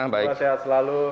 semoga sehat selalu